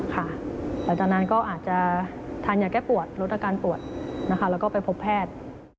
หลังจากนั้นก็อาจจะทานยาแก้ปวดลดอาการปวดนะคะแล้วก็ไปพบแพทย์